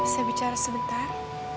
saya bicara sebentar